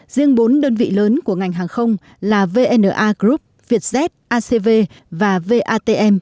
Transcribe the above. riêng bốn đơn vị lớn của ngành hàng không là vna group vietjet acv và vatm